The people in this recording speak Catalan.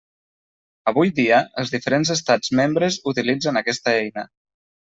Avui dia els diferents estats membres utilitzen aquesta eina.